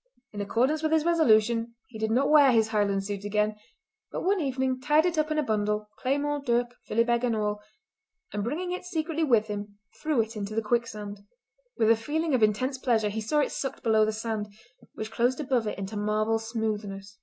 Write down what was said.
In accordance with his resolution he did not wear his Highland suit again, but one evening tied it up in a bundle, claymore, dirk and philibeg and all, and bringing it secretly with him threw it into the quicksand. With a feeling of intense pleasure he saw it sucked below the sand, which closed above it into marble smoothness.